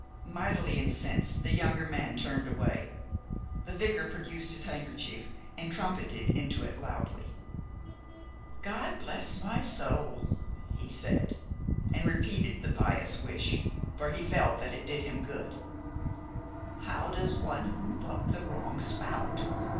Mightily incensed, the younger man turned away. The vicar produced his handkerchief and trumpeted into it loudly. "God bless my soul!" he said, and repeated the pious wish, for he felt that it did him good, "how does one whoop up the wrong spout?